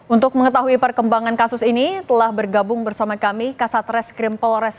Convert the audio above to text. untuk mengetahui perkembangan kasus ini telah bergabung bersama kami kasat reskrim polres